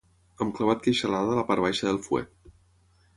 Hem clavat queixalada a la part baixa del fuet.